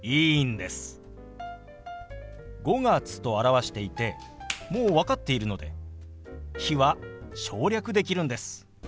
「５月」と表していてもう分かっているので「日」は省略できるんです。